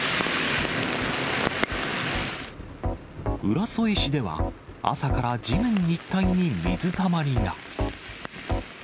浦添市では、朝から地面一帯に水たまりが。